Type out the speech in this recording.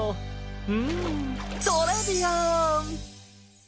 うんトレビアン！